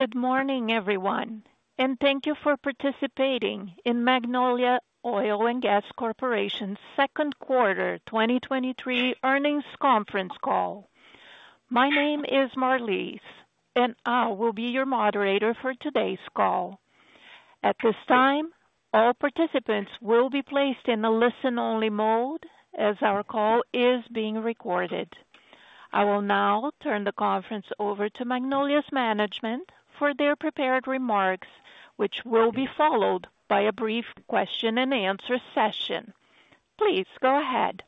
Good morning, everyone, thank you for participating in Magnolia Oil & Gas Corporation's second quarter 2023 earnings conference call. My name is Marlise, I will be your moderator for today's call. At this time, all participants will be placed in a listen-only mode as our call is being recorded. I will now turn the conference over to Magnolia's management for their prepared remarks, which will be followed by a brief question and answer session. Please go ahead.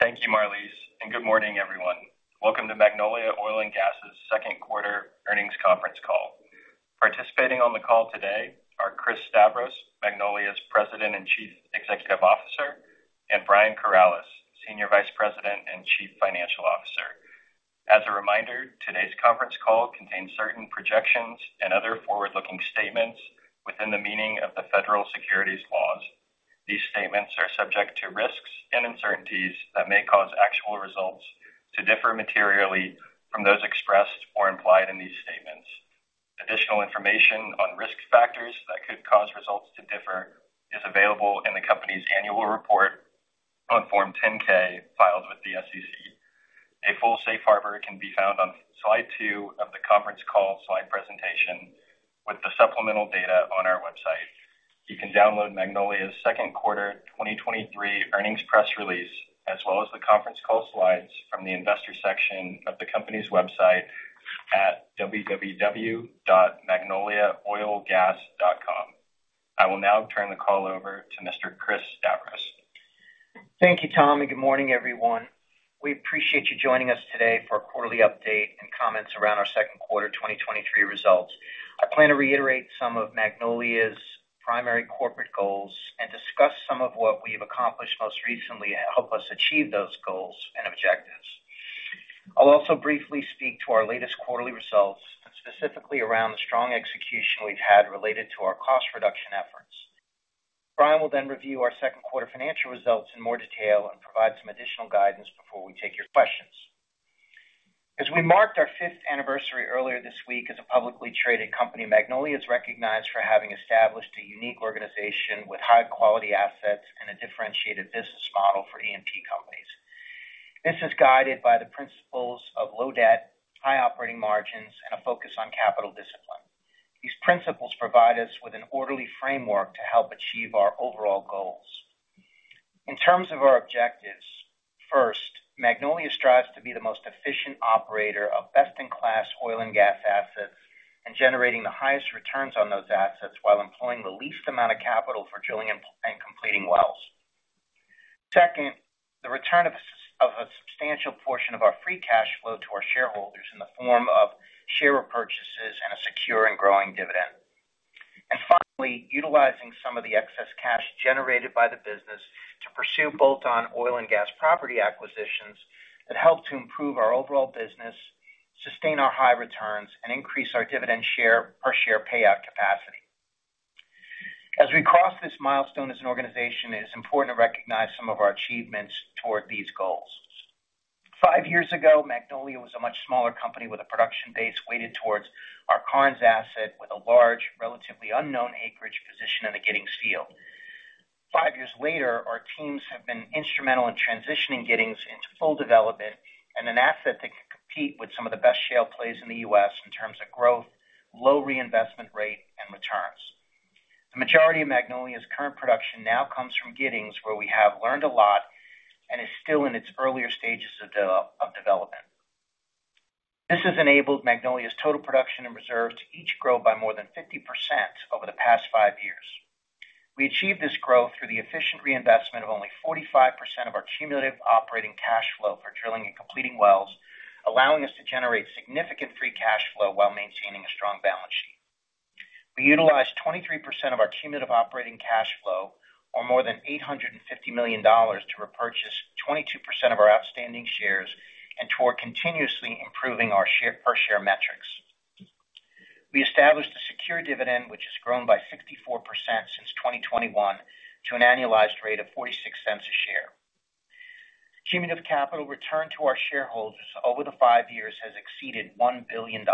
Thank you, Marlise, and good morning, everyone. Welcome to Magnolia Oil & Gas's second quarter earnings conference call. Participating on the call today are Chris Stavros, Magnolia's President and Chief Executive Officer, and Brian Corrales, Senior Vice President and Chief Financial Officer. As a reminder, today's conference call contains certain projections and other forward-looking statements within the meaning of the federal securities laws. These statements are subject to risks and uncertainties that may cause actual results to differ materially from those expressed or implied in these statements. Additional information on risk factors that could cause results to differ is available in the company's annual report on Form 10-K filed with the SEC. A full safe harbor can be found on slide 2 of the conference call slide presentation with the supplemental data on our website. You can download Magnolia's second quarter 2023 earnings press release, as well as the conference call slides from the investor section of the company's website at www.magnoliaoilgas.com. I will now turn the call over to Mr. Chris Stavros. Thank you, Tommy. Good morning, everyone. We appreciate you joining us today for a quarterly update and comments around our second quarter 2023 results. I plan to reiterate some of Magnolia's primary corporate goals and discuss some of what we've accomplished most recently and help us achieve those goals and objectives. I'll also briefly speak to our latest quarterly results, and specifically around the strong execution we've had related to our cost reduction efforts. Brian will then review our second quarter financial results in more detail and provide some additional guidance before we take your questions. As we marked our fifth anniversary earlier this week as a publicly traded company, Magnolia is recognized for having established a unique organization with high-quality assets and a differentiated business model for E&P companies. This is guided by the principles of low debt, high operating margins, and a focus on capital discipline. These principles provide us with an orderly framework to help achieve our overall goals. In terms of our objectives, first, Magnolia strives to be the most efficient operator of best-in-class oil and gas assets and generating the highest returns on those assets, while employing the least amount of capital for drilling and completing wells. Second, the return of a substantial portion of our free cash flow to our shareholders in the form of share repurchases and a secure and growing dividend. Finally, utilizing some of the excess cash generated by the business to pursue bolt-on oil and gas property acquisitions that help to improve our overall business, sustain our high returns, and increase our dividend share, per share payout capacity. As we cross this milestone as an organization, it is important to recognize some of our achievements toward these goals. Five years ago, Magnolia was a much smaller company with a production base weighted towards our Karnes asset, with a large, relatively unknown acreage position in the Giddings Field. Five years later, our teams have been instrumental in transitioning Giddings into full development and an asset that can compete with some of the best shale plays in the U.S. in terms of growth, low reinvestment rate, and returns. The majority of Magnolia's current production now comes from Giddings, where we have learned a lot and is still in its earlier stages of development. This has enabled Magnolia's total production and reserve to each grow by more than 50% over the past five years. We achieved this growth through the efficient reinvestment of only 45% of our cumulative operating cash flow for drilling and completing wells, allowing us to generate significant free cash flow while maintaining a strong balance sheet. We utilized 23% of our cumulative operating cash flow, or more than $850 million, to repurchase 22% of our outstanding shares and toward continuously improving our per share metrics. We established a secure dividend, which has grown by 64% since 2021 to an annualized rate of $0.46 a share. Cumulative capital returned to our shareholders over the five years has exceeded $1 billion.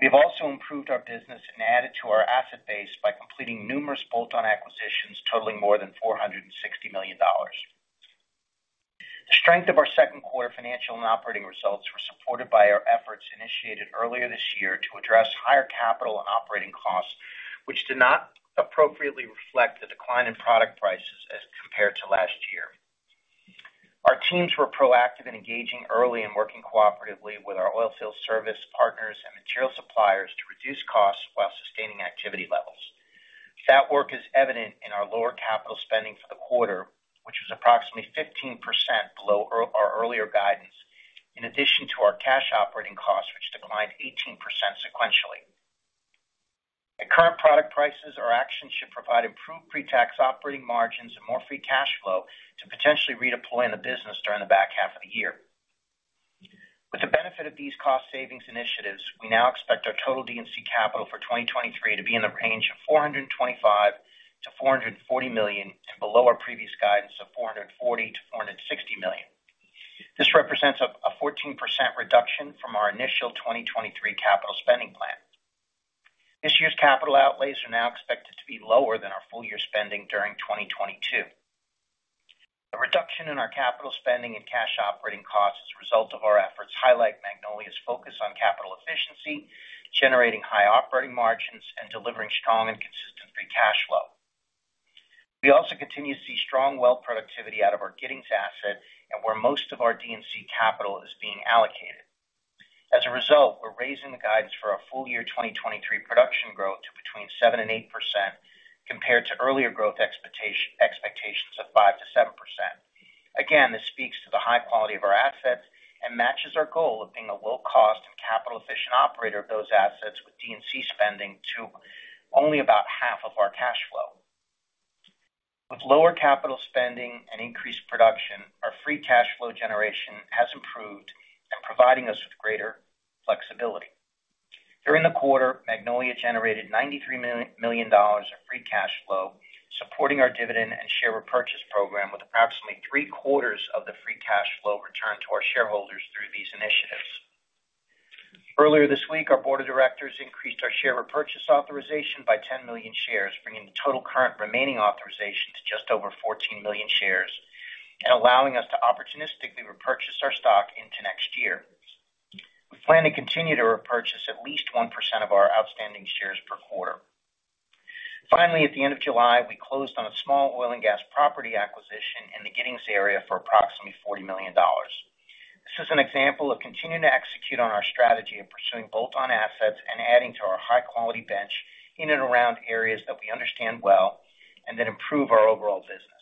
We have also improved our business and added to our asset base by completing numerous bolt-on acquisitions, totaling more than $460 million. The strength of our second quarter financial and operating results were supported by our efforts initiated earlier this year to address higher capital and operating costs, which did not appropriately reflect the decline in product prices as compared to last year. Our teams were proactive in engaging early and working cooperatively with our oil field service partners and material suppliers to reduce costs while sustaining activity levels. That work is evident in our lower capital spending for the quarter, which is approximately 15% below our earlier guidance, in addition to our cash operating costs, which declined 18% sequentially. At current product prices, our actions should provide improved pre-tax operating margins and more free cash flow to potentially redeploy in the business during the back half of the year. With the benefit of these cost savings initiatives, we now expect our total D&C capital for 2023 to be in the range of $425 million-$440 million and below our previous guidance of $440 million-$460 million. This represents a 14% reduction from our initial 2023 capital spending plan. This year's capital outlays are now expected to be lower than our full year spending during 2022. The reduction in our capital spending and cash operating costs as a result of our efforts, highlight Magnolia's focus on capital efficiency, generating high operating margins, and delivering strong and consistent free cash flow. We also continue to see strong well productivity out of our Giddings asset and where most of our D&C capital is being allocated. As a result, we're raising the guidance for our full year 2023 production growth to between 7% and 8% compared to earlier growth expectations of 5% to 7%. This speaks to the high quality of our assets and matches our goal of being a low-cost and capital-efficient operator of those assets, with D&C spending to only about half of our cash flow. With lower capital spending and increased production, our free cash flow generation has improved and providing us with greater flexibility. During the quarter, Magnolia generated $93 million of free cash flow, supporting our dividend and share repurchase program with approximately three quarters of the free cash flow returned to our shareholders through these initiatives. Earlier this week, our board of directors increased our share repurchase authorization by 10 million shares, bringing the total current remaining authorization to just over 14 million shares, and allowing us to opportunistically repurchase our stock into next year. We plan to continue to repurchase at least 1% of our outstanding shares per quarter. Finally, at the end of July, we closed on a small oil and gas property acquisition in the Giddings area for approximately $40 million. This is an example of continuing to execute on our strategy of pursuing bolt-on assets and adding to our high-quality bench in and around areas that we understand well and that improve our overall business.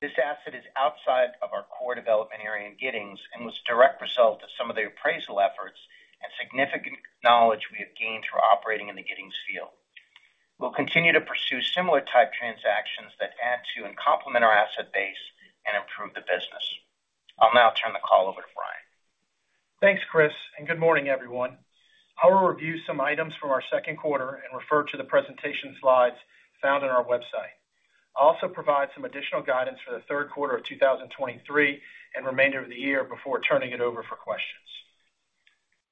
This asset is outside of our core development area in Giddings and was a direct result of some of the appraisal efforts and significant knowledge we have gained through operating in the Giddings Field. We'll continue to pursue similar type transactions that add to and complement our asset base and improve the business. I'll now turn the call over to Brian. Thanks, Chris, good morning, everyone. I will review some items from our second quarter and refer to the presentation slides found on our website. I'll also provide some additional guidance for the third quarter of 2023 and remainder of the year before turning it over for questions.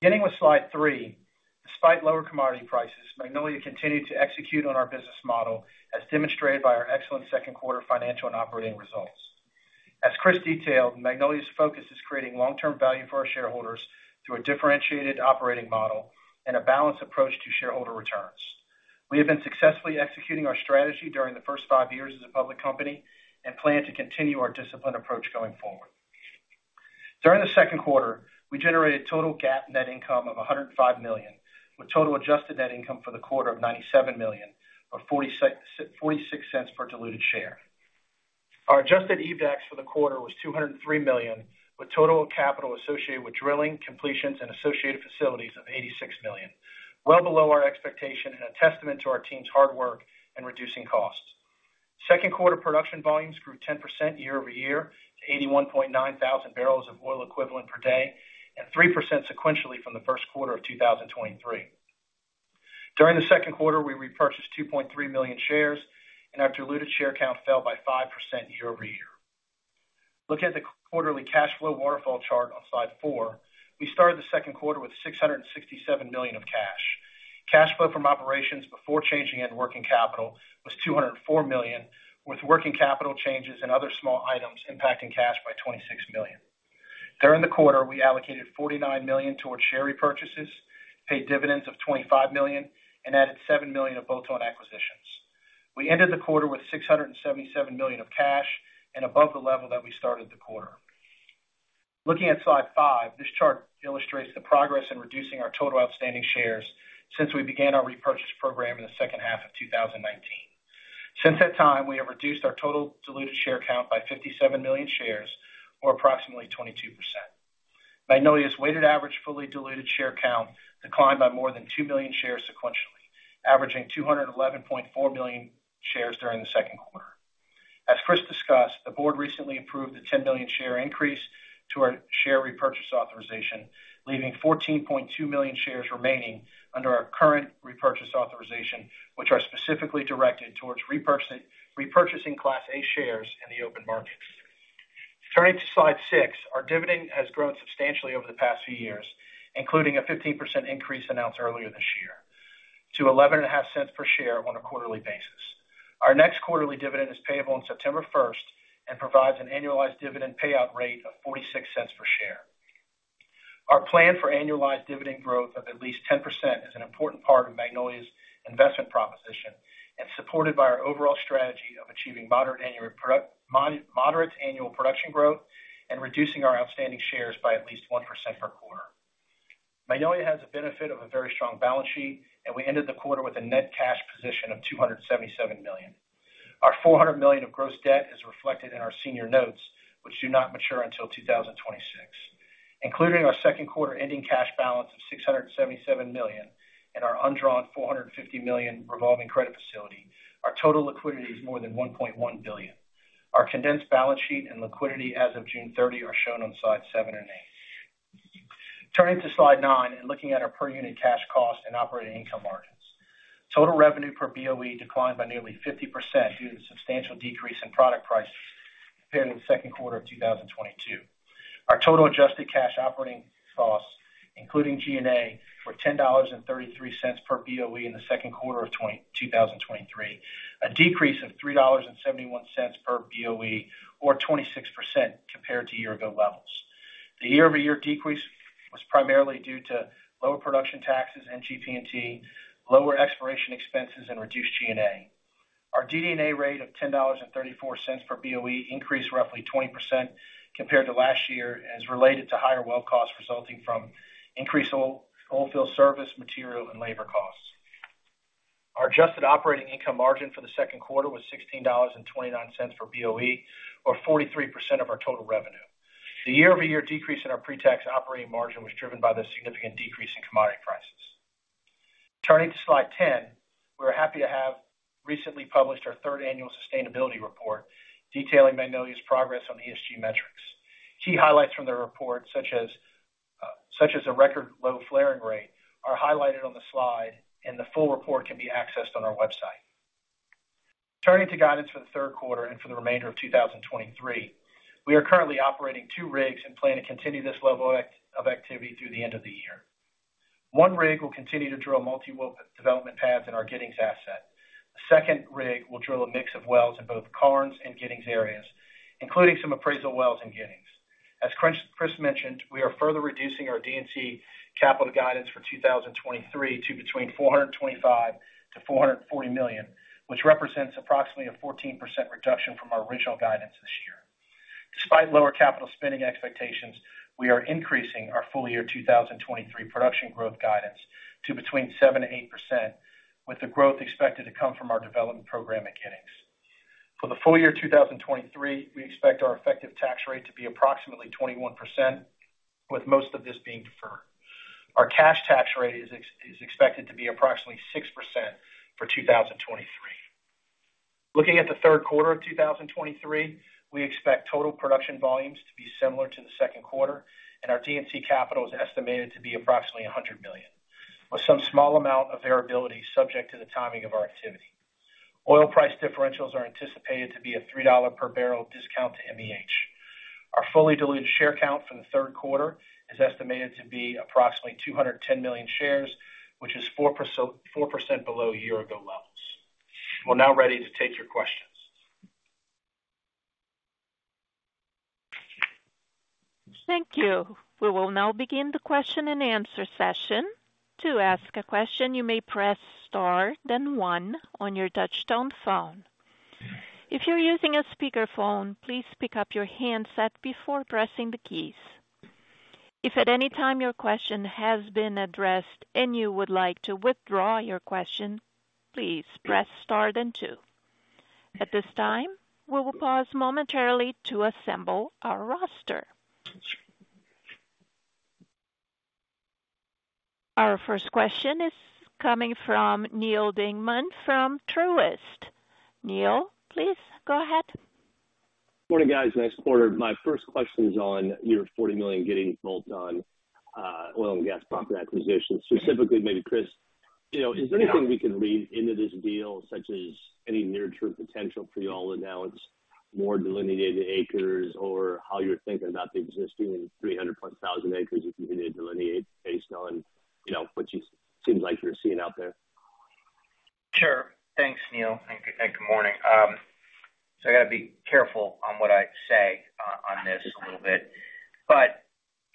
Beginning with Slide 3, despite lower commodity prices, Magnolia continued to execute on our business model, as demonstrated by our excellent second quarter financial and operating results. As Chris detailed, Magnolia's focus is creating long-term value for our shareholders through a differentiated operating model and a balanced approach to shareholder returns. We have been successfully executing our strategy during the first 5 years as a public company and plan to continue our disciplined approach going forward. During the second quarter, we generated total GAAP net income of $105 million, with total adjusted net income for the quarter of $97 million, or $0.46 per diluted share. Our adjusted EBITDA for the quarter was $203 million, with total capital associated with drilling, completions, and associated facilities of $86 million. Well below our expectation and a testament to our team's hard work in reducing costs. Second quarter production volumes grew 10% year-over-year to 81.9 thousand barrels of oil equivalent per day, 3% sequentially from the first quarter of 2023. During the second quarter, we repurchased 2.3 million shares, and our diluted share count fell by 5% year-over-year. Looking at the quarterly cash flow waterfall chart on Slide four, we started the second quarter with $667 million of cash. Cash flow from operations before changing in working capital was $204 million, with working capital changes and other small items impacting cash by $26 million. During the quarter, we allocated $49 million towards share repurchases, paid dividends of $25 million, and added $7 million of bolt-on acquisitions. We ended the quarter with $677 million of cash and above the level that we started the quarter. Looking at Slide five, this chart illustrates the progress in reducing our total outstanding shares since we began our repurchase program in the second half of 2019. Since that time, we have reduced our total diluted share count by 57 million shares or approximately 22%. Magnolia's weighted average fully diluted share count declined by more than 2 million shares sequentially, averaging 211.4 million shares during the second quarter. As Chris discussed, the board recently approved a 10 million share increase to our share repurchase authorization, leaving 14.2 million shares remaining under our current repurchase authorization, which are specifically directed towards repurchasing Class A shares in the open market. Turning to Slide 6, our dividend has grown substantially over the past few years, including a 15% increase announced earlier this year to $0.115 per share on a quarterly basis. Our next quarterly dividend is payable on September 1st and provides an annualized dividend payout rate of $0.46 per share. Our plan for annualized dividend growth of at least 10% is an important part of Magnolia's investment proposition and supported by our overall strategy of achieving moderate annual moderate annual production growth and reducing our outstanding shares by at least 1% per quarter. Magnolia has the benefit of a very strong balance sheet, and we ended the quarter with a net cash position of $277 million. Our $400 million of gross debt is reflected in our senior notes, which do not mature until 2026. Including our second quarter ending cash balance of $677 million and our undrawn $450 million revolving credit facility, our total liquidity is more than $1.1 billion. Our condensed balance sheet and liquidity as of June 30 are shown on Slides 7 and 8. Turning to Slide 9, looking at our per unit cash cost and operating income margins. Total revenue per BOE declined by nearly 50% due to the substantial decrease in product price compared to the second quarter of 2022. Our total adjusted cash operating costs, including G&A, were $10.33 per BOE in the second quarter of 2023, a decrease of $3.71 per BOE, or 26% compared to year-ago levels. The year-over-year decrease was primarily due to lower production taxes and GP&T, lower exploration expenses, and reduced G&A. Our DD&A rate of $10.34 per BOE increased roughly 20% compared to last year, and is related to higher well costs resulting from increased oil, oil field service, material and labor costs. Our adjusted operating income margin for the second quarter was $16.29 per BOE, or 43% of our total revenue. The year-over-year decrease in our pre-tax operating margin was driven by the significant decrease in commodity prices. Turning to slide 10, we're happy to have recently published our third annual sustainability report, detailing Magnolia's progress on ESG metrics. Key highlights from the report, such as a record low flaring rate, are highlighted on the slide, and the full report can be accessed on our website. Turning to guidance for the third quarter and for the remainder of 2023, we are currently operating 2 rigs and plan to continue this level of activity through the end of the year. 1 rig will continue to drill multi-well development pads in our Giddings asset. The second rig will drill a mix of wells in both Karnes and Giddings areas, including some appraisal wells in Giddings. As Chris mentioned, we are further reducing our D&C capital guidance for 2023 to between $425 million-$440 million, which represents approximately a 14% reduction from our original guidance this year. Despite lower capital spending expectations, we are increasing our full year 2023 production growth guidance to between 7%-8%, with the growth expected to come from our development program at Giddings. For the full year 2023, we expect our effective tax rate to be approximately 21%, with most of this being deferred. Our cash tax rate is expected to be approximately 6% for 2023. Looking at the third quarter of 2023, we expect total production volumes to be similar to the second quarter, and our D&C capital is estimated to be approximately $100 million, with some small amount of variability subject to the timing of our activity. Oil price differentials are anticipated to be a $3 per barrel discount to MEH. Our fully diluted share count for the third quarter is estimated to be approximately 210 million shares, which is 4% below year ago levels. We're now ready to take your questions. Thank you. We will now begin the question and answer session. To ask a question, you may press Star, then one on your touchtone phone. If you're using a speakerphone, please pick up your handset before pressing the keys. If at any time your question has been addressed and you would like to withdraw your question, please press Star then two. At this time, we will pause momentarily to assemble our roster. Our first question is coming from Neal Dingman from Truist. Neal, please go ahead. Morning, guys. Nice quarter. My first question is on your $40 million Giddings bolt-on oil and gas property acquisition. Specifically, maybe, Chris, you know, is there anything we can read into this deal, such as any near-term potential for y'all to announce more delineated acres, or how you're thinking about the existing 300+ thousand acres you can delineate based on, you know, what seems like you're seeing out there? Sure. Thanks, Neal, and good morning. I gotta be careful on what I say on this a little bit.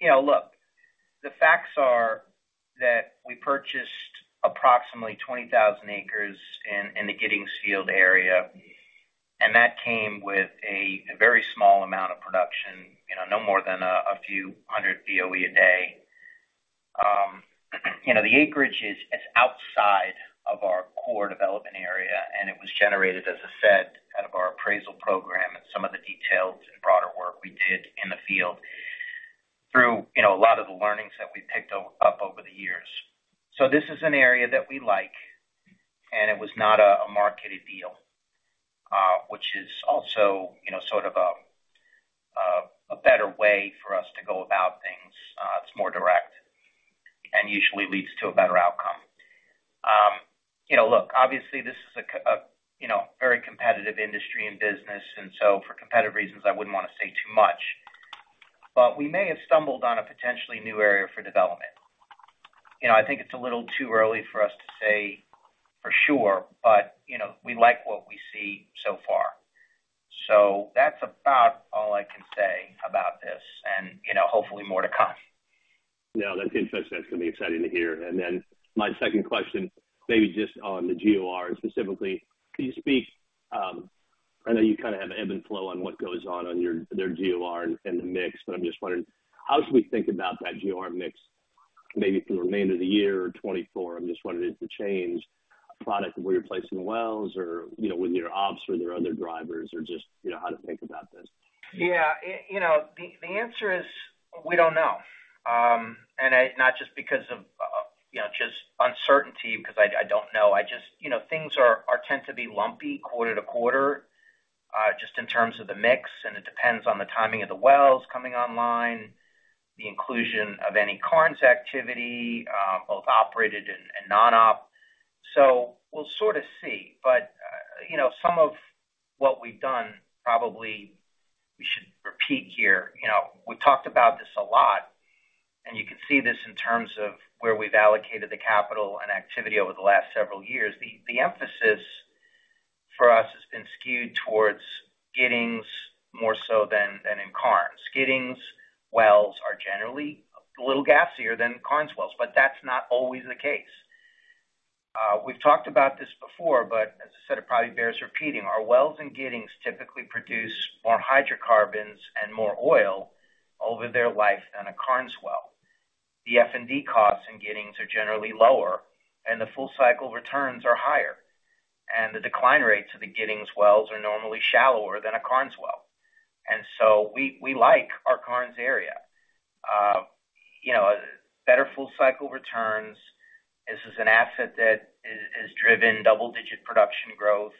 You know, look, the facts are that we purchased approximately 20,000 acres in, in the Giddings Field area, and that came with a very small amount of production, you know, no more than a, a few hundred BOE a day. You know, the acreage is, is outside of our core development area, and it was generated, as I said, out of our appraisal program and some of the details and broader work we did in the field through, you know, a lot of the learnings that we picked up over the years. This is an area that we like, and it was not a, a marketed deal, which is also, you know, sort of a better way for us to go about things. It's more direct and usually leads to a better outcome. You know, look, obviously this is a, you know, very competitive industry and business, and so for competitive reasons, I wouldn't want to say too much, but we may have stumbled on a potentially new area for development. You know, I think it's a little too early for us to say for sure, but, you know, we like what we see so far. That's about all I can say about this and, you know, hopefully more to come. No, that's interesting. That's gonna be exciting to hear. Then my second question, maybe just on the GOR specifically. Can you speak, I know you kind of have an ebb and flow on what goes on on your, their GOR and the mix, but I'm just wondering, how should we think about that GOR mix maybe for the remainder of the year or 2024? I'm just wondering if the change product where you're placing the wells or, you know, with your ops or their other drivers or just, you know, how to think about this. Yeah, you know, the answer is we don't know. not just because of-... because I, I don't know. I just, you know, things are, are tend to be lumpy quarter to quarter, just in terms of the mix, and it depends on the timing of the wells coming online, the inclusion of any Karnes activity, both operated and, and non-op. We'll sort of see. You know, some of what we've done, probably we should repeat here. You know, we've talked about this a lot, and you can see this in terms of where we've allocated the capital and activity over the last several years. The emphasis for us has been skewed towards Giddings more so than, than in Karnes. Giddings wells are generally a little gassier than Karnes wells, but that's not always the case. We've talked about this before, but as I said, it probably bears repeating. Our wells in Giddings typically produce more hydrocarbons and more oil over their life than a Karnes well. The F&D costs in Giddings are generally lower, and the full cycle returns are higher, and the decline rates of the Giddings wells are normally shallower than a Karnes well. We, we like our Karnes area. You know, better full cycle returns. This is an asset that is, is driven double-digit production growth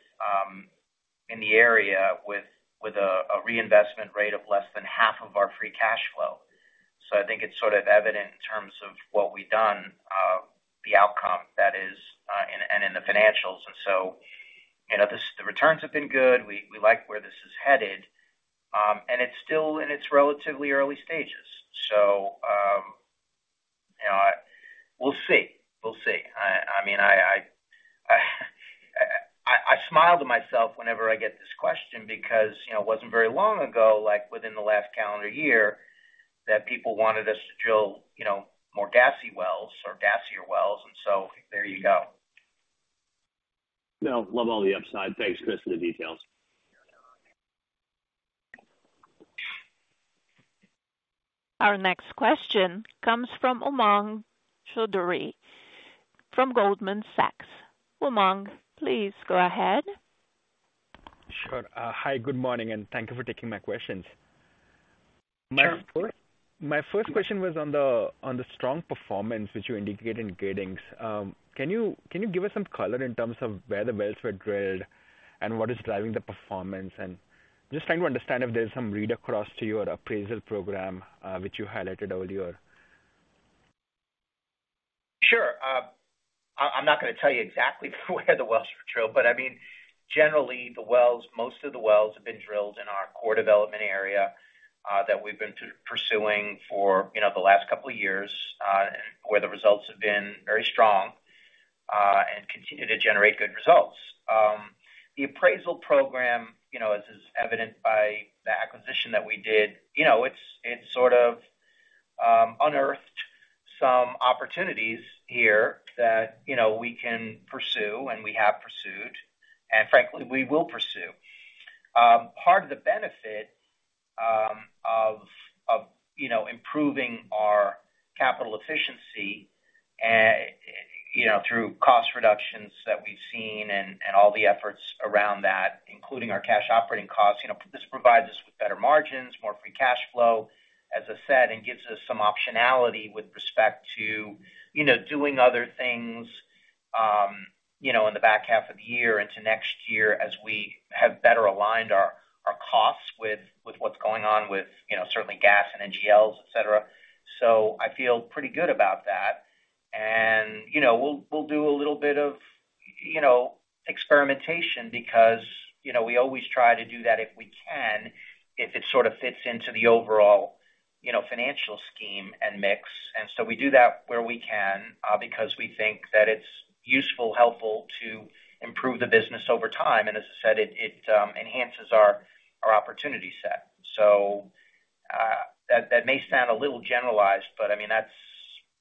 in the area with, with a, a reinvestment rate of less than half of our free cash flow. I think it's sort of evident in terms of what we've done, the outcome that is, and, and in the financials. You know, the returns have been good. We, we like where this is headed, and it's still in its relatively early stages. You know, we'll see. We'll see. I smile to myself whenever I get this question because, you know, it wasn't very long ago, like within the last calendar year, that people wanted us to drill, you know, more gassy wells or gassier wells, and so there you go. No, love all the upside. Thanks, Chris, for the details. Our next question comes from Umang Choudhary from Goldman Sachs. Umang, please go ahead. Sure. Hi, good morning. Thank you for taking my questions. Sure. My first question was on the strong performance which you indicated in Giddings. Can you give us some color in terms of where the wells were drilled and what is driving the performance? Just trying to understand if there's some read across to your appraisal program, which you highlighted earlier. Sure. I'm not gonna tell you exactly where the wells were drilled, but I mean, generally, the wells, most of the wells have been drilled in our core development area, that we've been pursuing for, you know, the last couple of years, and where the results have been very strong, and continue to generate good results. The appraisal program, you know, as is evident by the acquisition that we did, you know, it's, it's sort of, unearthed some opportunities here that, you know, we can pursue, and we have pursued, and frankly, we will pursue. Part of the benefit, of you know, improving our capital efficiency, you know, through cost reductions that we've seen and, and all the efforts around that, including our cash operating costs, you know, this provides us with better margins, more free cash flow, as I said, and gives us some optionality with respect to, you know, doing other things, you know, in the back half of the year into next year, as we have better aligned our, our costs with, with what's going on with, you know, certainly gas and NGLs, et cetera. I feel pretty good about that. We'll, we'll do a little bit of, you know, experimentation because, you know, we always try to do that if we can, if it sort of fits into the overall, you know, financial scheme and mix. We do that where we can, because we think that it's useful, helpful to improve the business over time. As I said, it, enhances our, our opportunity set. That, that may sound a little generalized, but I mean, that's,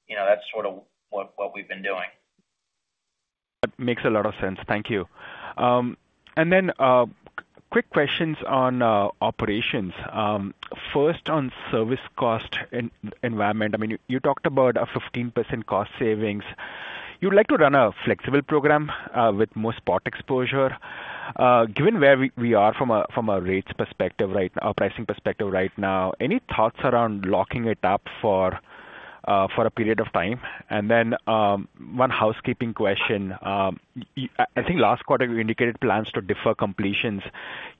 you know, that's sort of what, what we've been doing. That makes a lot of sense. Thank you. Then, quick questions on operations. First, on service cost environment, I mean, you, you talked about a 15% cost savings. You'd like to run a flexible program with more spot exposure. Given where we are from a rates perspective right now, our pricing perspective right now, any thoughts around locking it up for a period of time? Then, 1 housekeeping question. I think last quarter, you indicated plans to defer completions.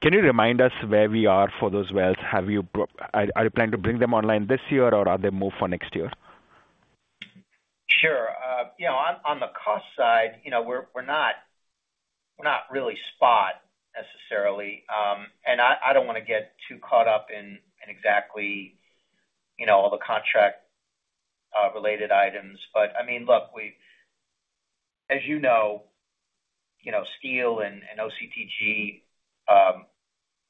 Can you remind us where we are for those wells? Have you are you planning to bring them online this year, or are they more for next year? Sure. on the cost side, we're, we're not, we're not really spot necessarily. I don't want to get too caught up in, in exactly, all the contract, related items. I mean, look, we've as you know, steel and OCTG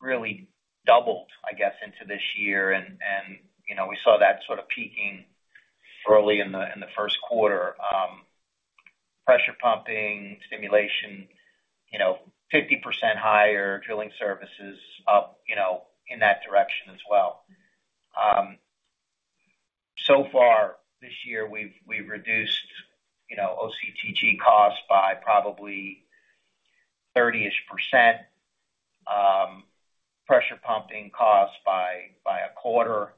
really doubled, I guess, into this year, and we saw that sort of peaking early in the first quarter. Pressure pumping, stimulation, 50% higher, drilling services up in that direction as well. So far this year we've reduced OCTG costs by probably 30-ish percent. Pumping costs by 25%.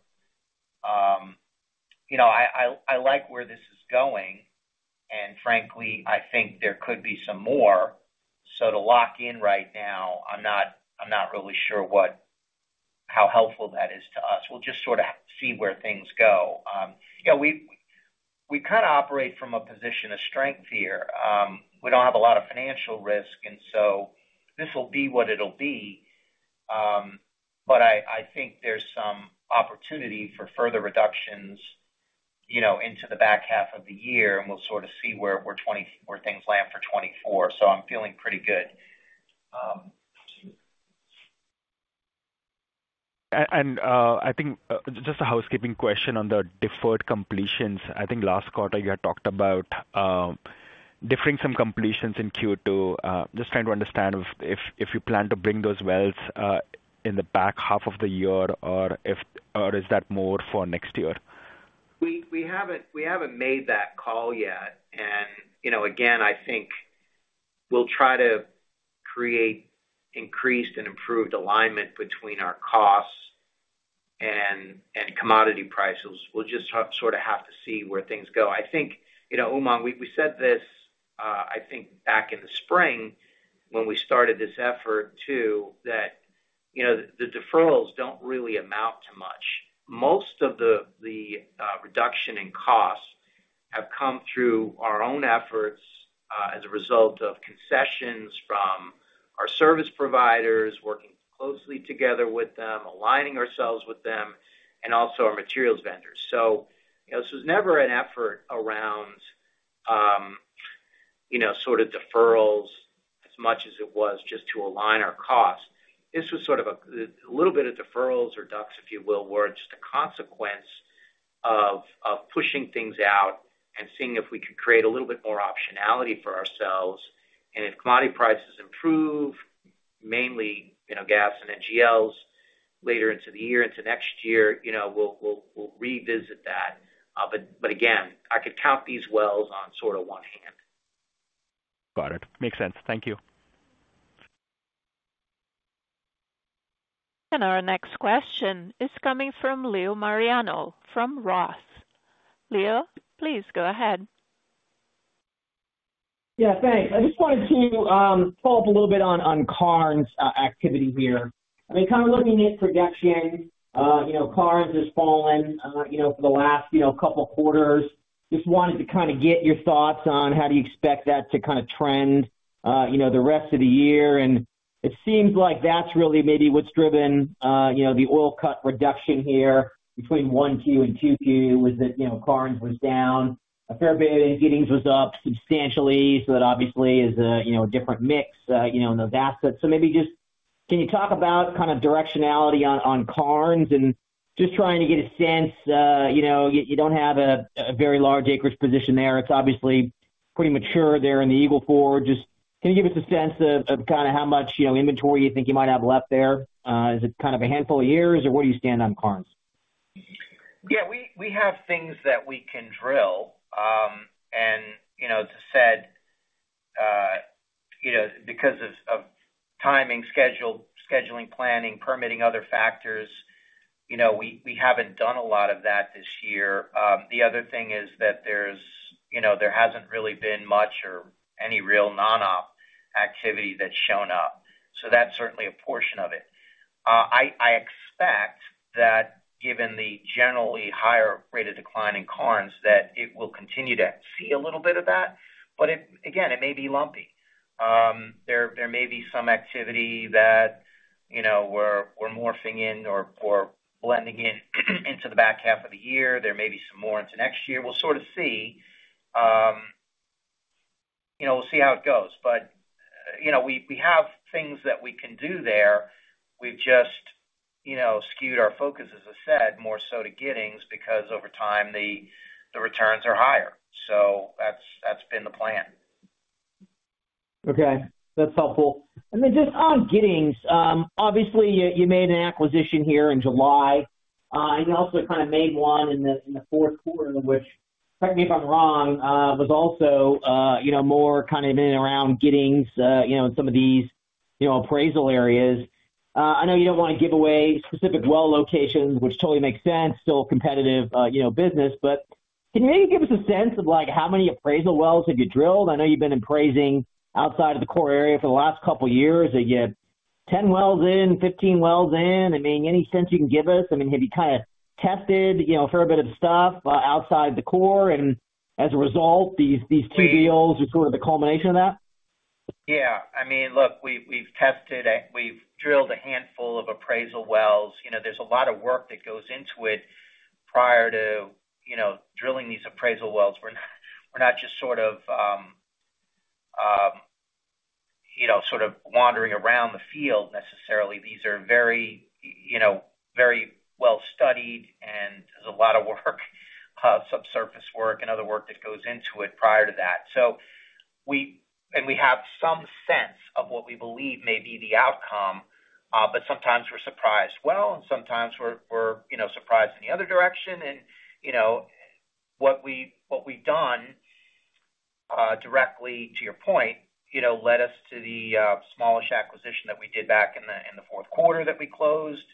I like where this is going, and frankly, I think there could be some more. To lock in right now, I'm not really sure what how helpful that is to us. We'll just sort of see where things go. Yeah we kinda operate from a position of strength here. We don't have a lot of financial risk, and so this will be what it'll be. I think there's some opportunity for further reductions, you know, into the back half of the year, and we'll sort of see where things land for 2024. I'm feeling pretty good. I think, just a housekeeping question on the deferred completions. I think last quarter you had talked about deferring some completions in Q2. Just trying to understand if you plan to bring those wells in the back half of the year, or is that more for next year? We haven't made that call yet. Again, I think we'll try to create better alignment between our costs and commodity prices. We'll just have to see where things go. As we mentioned back in the spring when we started this effort, the deferrals don't really amount to much. Most of the reduction in costs has come through our own efforts, concessions from service providers, and alignment with materials vendors. This effort was never about deferrals—it was about aligning costs. This was sort of a little bit of deferrals or DUCs, if you will, were just a consequence of pushing things out and seeing if we could create a little bit more optionality for ourselves. If commodity prices improve, mainly, you know, gas and NGLs, later into the year, into next year, you know, we'll, we'll, we'll revisit that. But again, I could count these wells on sort of one hand. Got it. Makes sense. Thank you. Our next question is coming from Leo Mariani, from Roth. Leo, please go ahead. Yeah, thanks. I just wanted to follow up a little bit on, on Karnes activity here. I mean, kind of looking at projections, you know, Karnes has fallen, you know, for the last, you know, couple quarters. Just wanted to kinda get your thoughts on how do you expect that to kinda trend, you know, the rest of the year? It seems like that's really maybe what's driven, you know, the oil cut reduction here between 1Q and 2Q, was that, you know, Karnes was down. A fair bit in Giddings was up substantially, so that obviously is a, you know, different mix, you know, in the asset. Maybe just... can you talk about kind of directionality on, on Karnes? Just trying to get a sense, you know, you, you don't have a very large acreage position there. It's obviously pretty mature there in the Eagle Ford. Just, can you give us a sense of, of kinda how much, you know, inventory you think you might have left there? Is it kind of a handful of years, or where do you stand on Karnes? Yeah, we, we have things that we can drill. You know, as I said, you know, because of, of timing, schedule, scheduling, planning, permitting other factors, you know, we, we haven't done a lot of that this year. The other thing is that there's, you know, there hasn't really been much or any real non-op activity that's shown up, so that's certainly a portion of it. I, I expect that given the generally higher rate of decline in Karnes, that it will continue to see a little bit of that, but it, again, it may be lumpy. There, there may be some activity that, you know, we're, we're morphing in or, or blending in, into the back half of the year. There may be some more into next year. We'll sort of see. You know, we'll see how it goes. You know, we, we have things that we can do there. We've just, you know, skewed our focus, as I said, more so to Giddings, because over time, the, the returns are higher. That's, that's been the plan. Okay, that's helpful. Then just on Giddings, obviously, you, you made an acquisition here in July, and you also kind of made one in the, in the fourth quarter, which, correct me if I'm wrong, was also, you know, more kind of in and around Giddings, you know, in some of these, you know, appraisal areas. I know you don't want to give away specific well locations, which totally makes sense, still competitive, you know, business. Can you maybe give us a sense of, like, how many appraisal wells have you drilled? I know you've been appraising outside of the core area for the last couple of years. Are you 10 wells in, 15 wells in? I mean, any sense you can give us? I mean, have you kinda tested, you know, a fair bit of stuff, outside the core, and as a result, these, these two deals are sort of the culmination of that? Yeah. I mean, look, we've, we've tested and we've drilled a handful of appraisal wells. You know, there's a lot of work that goes into it prior to, you know, drilling these appraisal wells. We're not, we're not just sort of, you know, sort of wandering around the field necessarily. These are very, you know, very well studied, and there's a lot of work, subsurface work, and other work that goes into it prior to that. So we-- and we have some sense of what we believe may be the outcome, but sometimes we're surprised well, and sometimes we're, we're, you know, surprised in the other direction. You know, what we, what we've done-... directly to your point, you know, led us to the, smallish acquisition that we did back in the, in the fourth quarter that we closed.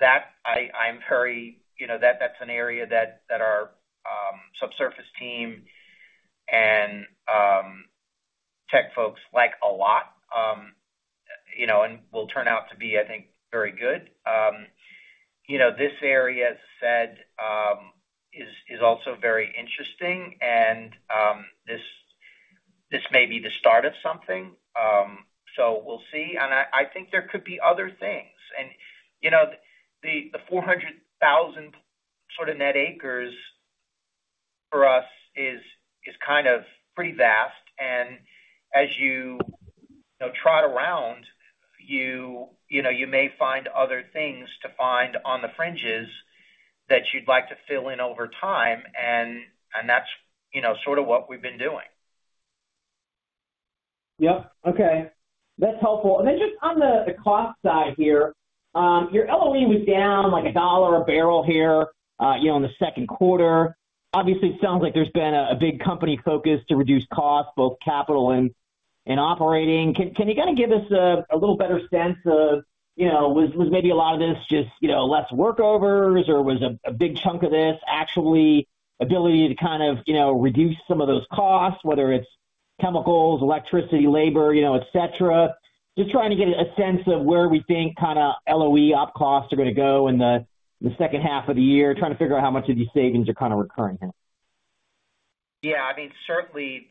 That I'm very, you know, that, that's an area that, that our subsurface team and tech folks like a lot. You know, will turn out to be, I think, very good. You know, this area, as I said, is also very interesting, and this, this may be the start of something. We'll see. I, I think there could be other things. You know, the, the 400,000 sort of net acres for us is, is kind of pretty vast. As you, you know, trot around, you, you know, you may find other things to find on the fringes that you'd like to fill in over time, and, and that's, you know, sort of what we've been doing. Yep. Okay. That's helpful. Then just on the, the cost side here, your LOE was down like $1 a barrel here, you know, in the second quarter. Obviously, it sounds like there's been a, a big company focus to reduce costs, both capital and, and operating. Can you kinda give us a, a little better sense of, you know, was, was maybe a lot of this just, you know, less workovers, or was a, a big chunk of this actually ability to kind of, you know, reduce some of those costs, whether it's chemicals, electricity, labor, you know, et cetera? Just trying to get a sense of where we think kinda LOE op costs are gonna go in the, the second half of the year. Trying to figure out how much of these savings are kinda recurring here. Yeah, I mean, certainly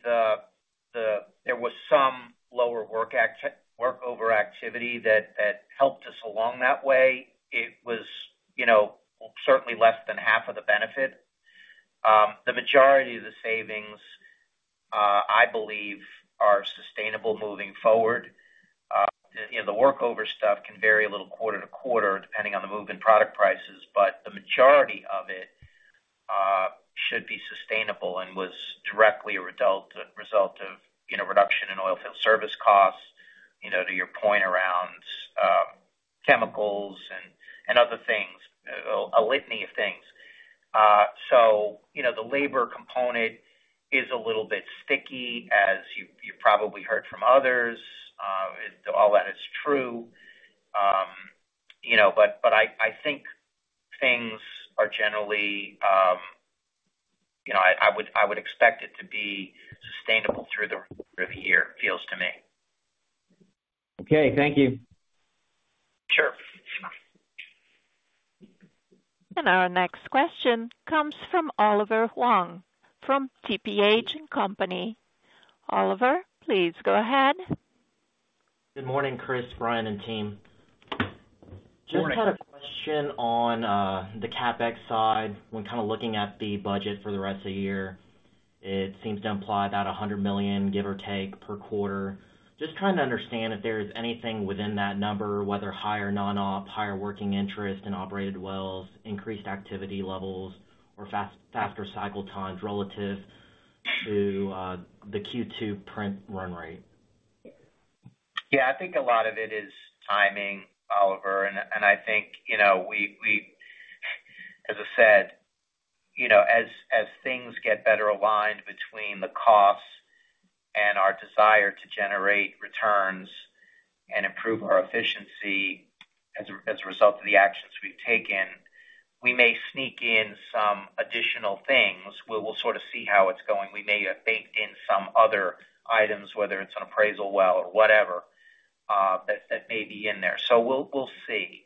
there was some lower workover activity that, that helped us along that way. It was, you know, certainly less than half of the benefit. The majority of the savings, I believe, are sustainable moving forward. You know, the workover stuff can vary a little quarter to quarter, depending on the move in product prices, but the majority of it should be sustainable and was directly a result of, you know, reduction in oil field service costs, you know, to your point around chemicals and, and other things, a litany of things. You know, the labor component is a little bit sticky, as you've, you've probably heard from others. All that is true. You know, but I think things are generally. You know I would expect it to be sustainable through the, through the year, feels to me. Okay, thank you. Sure. Our next question comes from Oliver Huang, from TPH & Company. Oliver, please go ahead. Good morning, Chris, Brian, and team. Morning. Just had a question on the CapEx side. When kind of looking at the budget for the rest of the year, it seems to imply about $100 million, give or take, per quarter. Just trying to understand if there is anything within that number, whether higher non-op, higher working interest in operated wells, increased activity levels or faster cycle times relative to the Q2 print run rate. Yeah, I think a lot of it is timing, Oliver, and, and I think, you know, we, as I said, you know, as, as things get better aligned between the costs and our desire to generate returns and improve our efficiency as a, as a result of the actions we've taken, we may sneak in some additional things. We'll sort of see how it's going. We may have baked in some other items, whether it's an appraisal well or whatever, that, that may be in there. We'll, see.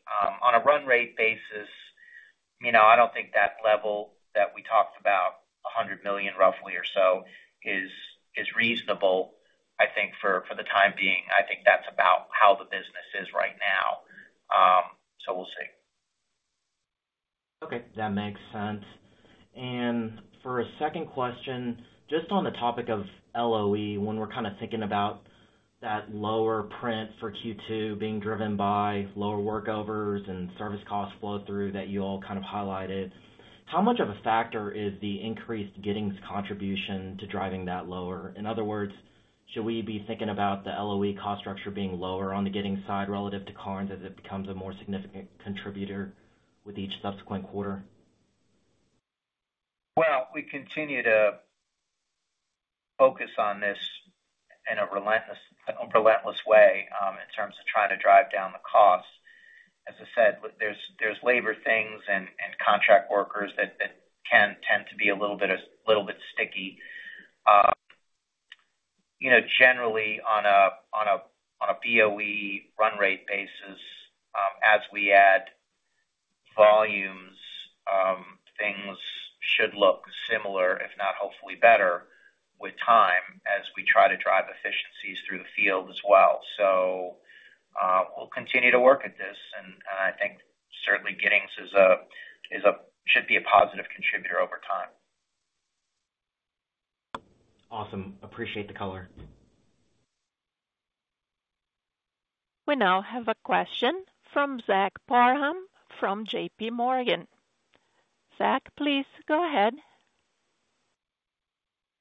On a run rate basis, you know, I don't think that level that we talked about, $100 million roughly or so is reasonable, I think for the time being. I think that's about how the business is right now. We'll see. Okay, that makes sense. For a second question, just on the topic of LOE, when we're kind of thinking about that lower print for Q2 being driven by lower workovers and service costs flow through that you all kind of highlighted, how much of a factor is the increased Giddings contribution to driving that lower? In other words, should we be thinking about the LOE cost structure being lower on the Giddings side relative to Karnes, as it becomes a more significant contributor with each subsequent quarter? Well, we continue to focus on this in a relentless, relentless way, in terms of trying to drive down the costs. As I said, there's, there's labor things and, and contract workers that, that can tend to be a little bit of, little bit sticky. You know, generally, on a, on a, on a BOE run rate basis, as we add volumes, things should look similar, if not hopefully better, with time as we try to drive efficiencies through the field as well. We'll continue to work at this, and, and I think certainly Giddings is a, should be a positive contributor over time. Awesome. Appreciate the color. We now have a question from Zach Parham, from J.P. Morgan. Zach, please go ahead.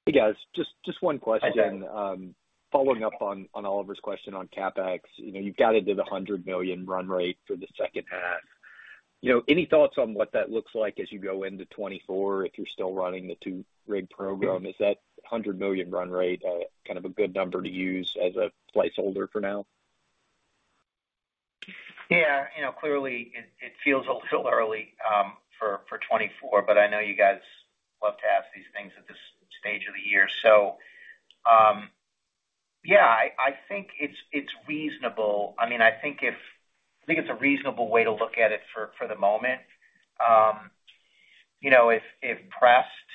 Hey, guys. Just, just one question. Hey. Following up on, on Oliver's question on CapEx. You know, you've guided to the $100 million run rate for the second half. You know, any thoughts on what that looks like as you go into 2024, if you're still running the 2 rig program, is that $100 million run rate, kind of a good number to use as a placeholder for now? Yeah, you know, clearly it, it feels a little early for 2024, but I know you guys love to ask these things at this stage of the year. Yeah I think it's, it's reasonable. I mean, I think it's a reasonable way to look at it for the moment. You know if pressed,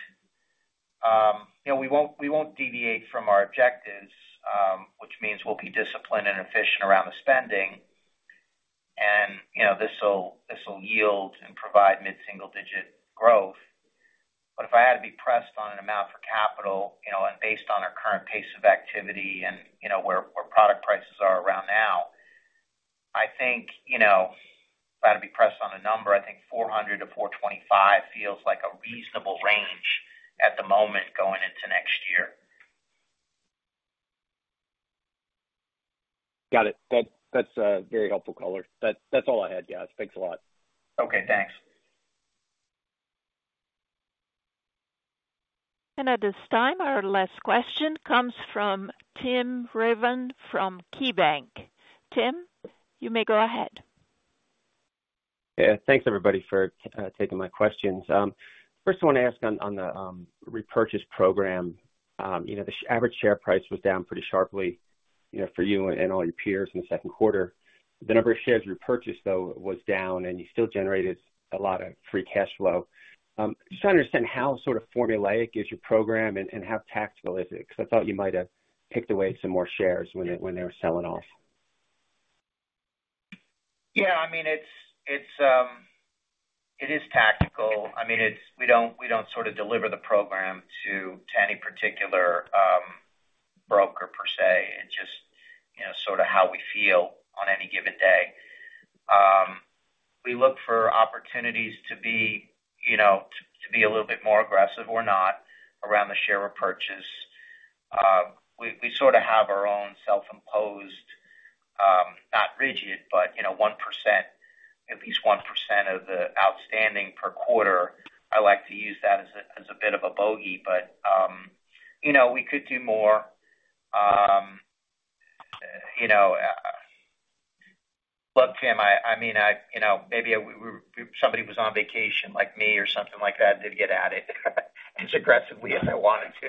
you know we won't deviate from our objectives, which means we'll be disciplined and efficient around the spending. You know, this will yield and provide mid-single digit growth. If I had to be pressed on an amount for capital, you know, and based on our current pace of activity and, you know where product prices are around now, I think you know, if I had to be pressed on a number, I think $400-$425 feels like a reasonable range at the moment, going into next year. Got it. That's a very helpful color. That's all I had, guys. Thanks a lot. Okay, thanks. At this time, our last question comes from Tim Rezvan from KeyBanc Capital Markets. Tim, you may go ahead. Yeah. Thanks, everybody, for taking my questions. First, I want to ask on the repurchase program. You know, the average share price was down pretty sharply, you know, for you and all your peers in the second quarter. The number of shares repurchased, though, was down, and you still generated a lot of free cash flow. Just to understand how sort of formulaic is your program and how tactical is it? I thought you might have picked away some more shares when they, when they were selling off. Yeah, I mean, it's tactical. I mean, it's we don't sort of deliver the program to, to any particular broker per se. It's just, you know, sort of how we feel on any given day. We look for opportunities to be, you know, to, to be a little bit more aggressive or not around the share repurchase. We sort of have our own self-imposed, not rigid, but, you know, 1%, at least 1% of the outstanding per quarter. I like to use that as a, as a bit of a bogey, but, you know, we could do more. You know, look, Tim, I mean, I, you know, maybe we somebody was on vacation like me or something like that, didn't get at it as aggressively as I wanted to.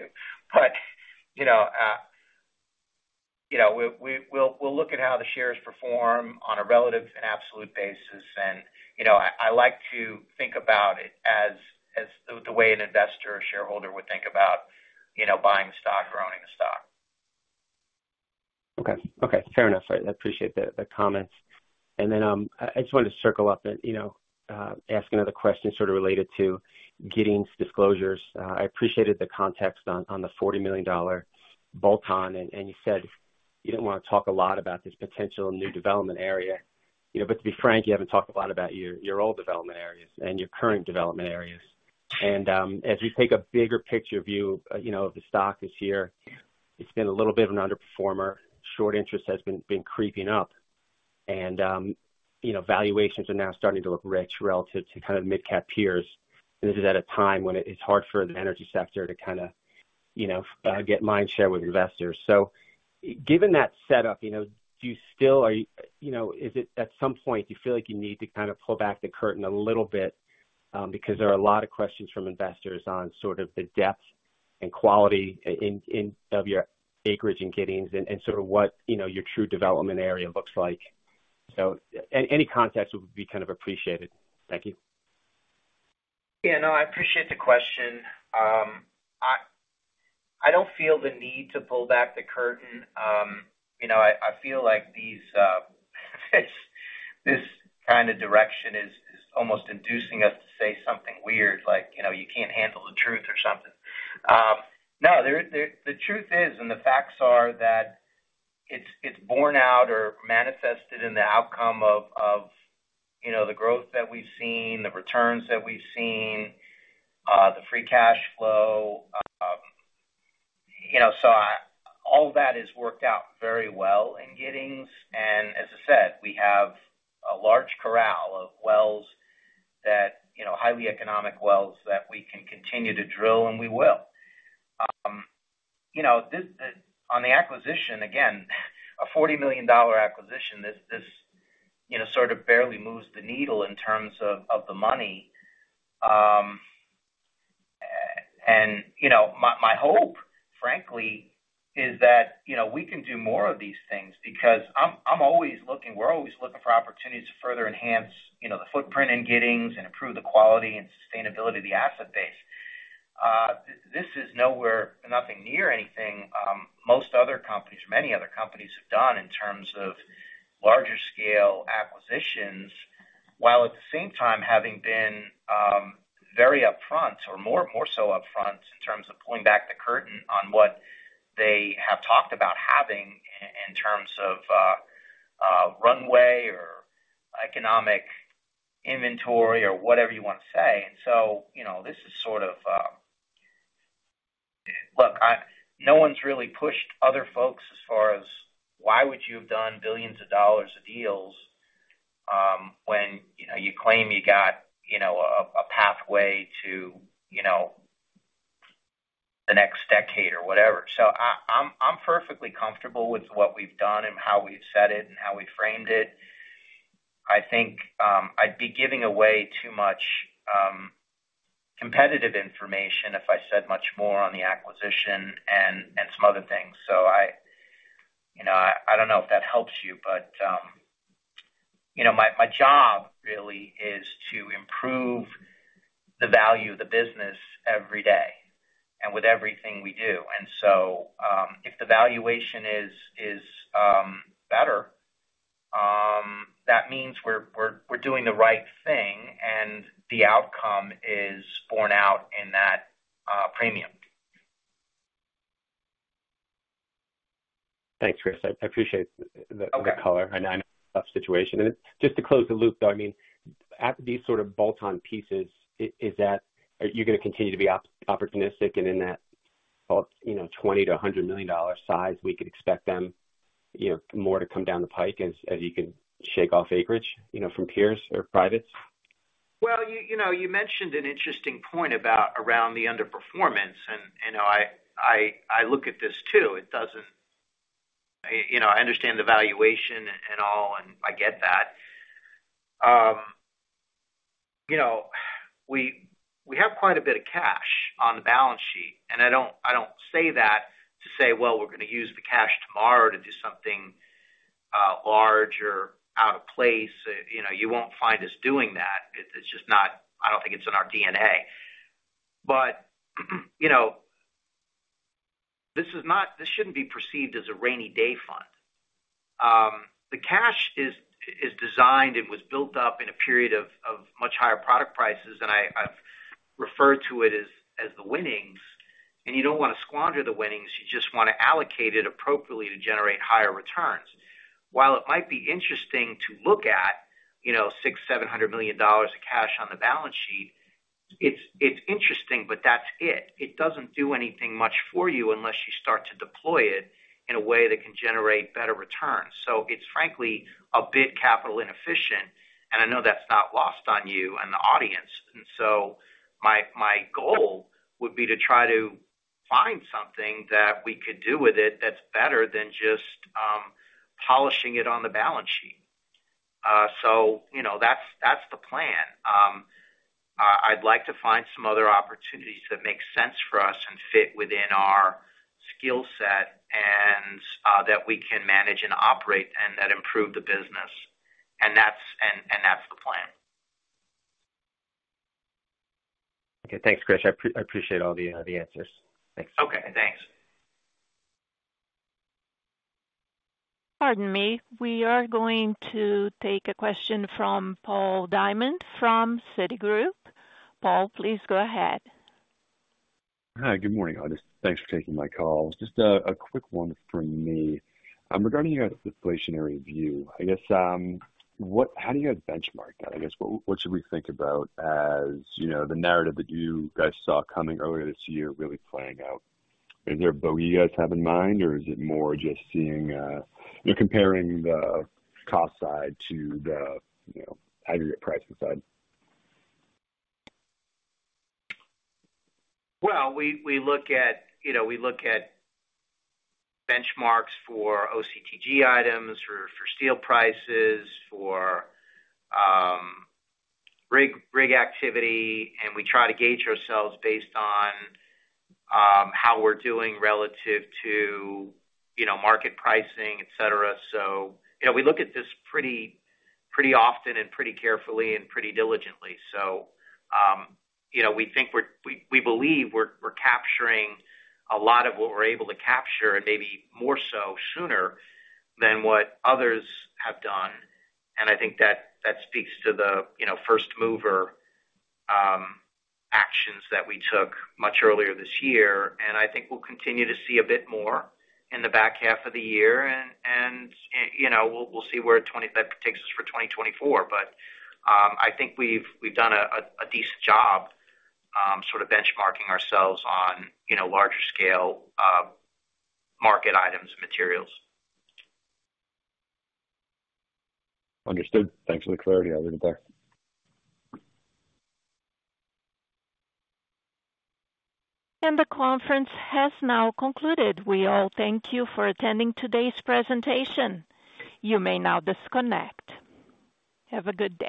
You know we'll look at how the shares perform on a relative and absolute basis. You know I like to think about it as, as the way an investor or shareholder would think about, you know, buying the stock or owning the stock. Okay. Okay, fair enough. I appreciate the, the comments. I just wanted to circle up and, you know, ask another question sort of related to Giddings disclosures. I appreciated the context on, on the $40 million bolt-on, and, and you said you didn't want to talk a lot about this potential new development area. You know, to be frank, you haven't talked a lot about your, your old development areas and your current development areas. As we take a bigger picture view, you know, of the stock this year, it's been a little bit of an underperformer. Short interest has been, been creeping up, and, you know, valuations are now starting to look rich relative to kind of mid-cap peers. This is at a time when it, it's hard for the energy sector to kind of, you know, get mind share with investors. Given that setup, you know, do you still... Are, you know, is it at some point, you feel like you need to kind of pull back the curtain a little bit? Because there are a lot of questions from investors on sort of the depth and quality of your acreage in Giddings and, and sort of what, you know, your true development area looks like. Any context would be kind of appreciated. Thank you. Yeah, no, I appreciate the question. I don't feel the need to pull back the curtain. You know I feel like these, this, this kind of direction is, is almost inducing us to say something weird, like, you know, you can't handle the truth or something. No there, the truth is, and the facts are, that it's borne out or manifested in the outcome of you know, the growth that we've seen, the returns that we've seen, the free cash flow. You know, so I-- all of that has worked out very well in Giddings, and as I said, we have a large corral of wells that, you know, highly economic wells that we can continue to drill, and we will. You know, this, the... On the acquisition, again, a $40 million acquisition, this, this, you know, sort of barely moves the needle in terms of, of the money. You know, my, my hope, frankly, is that, you know, we can do more of these things because I'm, I'm always looking, we're always looking for opportunities to further enhance, you know, the footprint in Giddings and improve the quality and sustainability of the asset base. This is nowhere, nothing near anything, most other companies, many other companies have done in terms of larger scale acquisitions, while at the same time having been very upfront or more, more so upfront in terms of pulling back the curtain on what they have talked about having in terms of runway or economic inventory or whatever you want to say. You know, this is sort of. No one's really pushed other folks as far as why would you have done $ billions of deals, when, you know, you claim you got, you know, a, a pathway to, you know, the next decade or whatever? I'm perfectly comfortable with what we've done and how we've said it and how we framed it. I think, I'd be giving away too much, competitive information if I said much more on the acquisition and, and some other things. you know I don't know if that helps you, but, you know my job really is to improve the value of the business every day and with everything we do. If the valuation is, is, better, that means we're, we're, we're doing the right thing, and the outcome is borne out in that premium. Thanks, Chris. I appreciate. Okay. the color, I know tough situation. Just to close the loop, though, I mean, after these sort of bolt-on pieces, is that? Are you gonna continue to be opportunistic and in that, you know, $20 million-$100 million size, we could expect them, you know, more to come down the pike as you can shake off acreage, you know, from peers or privates? Well, you, you know, you mentioned an interesting point about around the underperformance, you know I look at this, too. It doesn't, you know, I understand the valuation and all, and I get that. You know we have quite a bit of cash on the balance sheet, and I don't say that to say, "Well, we're gonna use the cash tomorrow to do something large or out of place." You know, you won't find us doing that. It's just not, I don't think it's in our DNA. You know, this is not, this shouldn't be perceived as a rainy day fund. The cash is, is designed and was built up in a period of, of much higher product prices, and I, I've referred to it as, as the winnings, and you don't want to squander the winnings, you just want to allocate it appropriately to generate higher returns. While it might be interesting to look at, you know, $600 million-$700 million of cash on the balance sheet, it's, it's interesting, but that's it. It doesn't do anything much for you unless you start to deploy it in a way that can generate better returns. It's frankly, a bit capital inefficient, and I know that's not lost on you and the audience. My, my goal would be to try to find something that we could do with it that's better than just polishing it on the balance sheet. You know, that's, that's the plan. I'd like to find some other opportunities that make sense for us and fit within our skill set and that we can manage and operate and that improve the business. That's, and, and that's the plan. Okay, thanks, Chris. I appreciate all the answers. Thanks. Okay, thanks. Pardon me. We are going to take a question from Paul Diamond from Citigroup. Paul, please go ahead. Hi, good morning, all. Just thanks for taking my call. Just a, a quick one from me. Regarding your inflationary view, I guess, how do you guys benchmark that? I guess, what, what should we think about as, you know, the narrative that you guys saw coming earlier this year really playing out? Is there a bogey you guys have in mind, or is it more just seeing, you know, comparing the cost side to the, you know, aggregate pricing side? Well we look at, you know, we look at benchmarks for OCTG items, for, for steel prices, for rig, rig activity, and we try to gauge ourselves based on how we're doing relative to, you know, market pricing, et cetera. You know, we look at this pretty, pretty often and pretty carefully and pretty diligently. You know, we, we believe we're, we're capturing a lot of what we're able to capture and maybe more so sooner than what others have done. I think that, that speaks to the, you know, first-mover actions that we took much earlier this year. I think we'll continue to see a bit more in the back half of the year, and, and, you know, we'll, we'll see where that takes us for 2024. I think we've, we've done a decent job, sort of benchmarking ourselves on, you know, larger scale, market items and materials. Understood. Thanks for the clarity. I'll leave it there. The conference has now concluded. We all thank you for attending today's presentation. You may now disconnect. Have a good day.